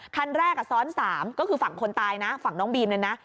คันแรกซ้อน๓ก็คือฝั่งคนตายนะฝั่งน้องบีมเนี่ยนะ